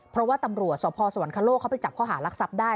เพราะว่าตำรวจสพสวรรคโลกเขาไปจับข้อหารักทรัพย์ได้